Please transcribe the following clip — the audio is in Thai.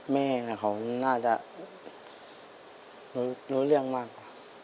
แม่เขาน่าจะรู้เรื่องมากกว่า